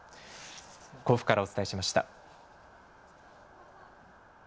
甲府からお伝えしました。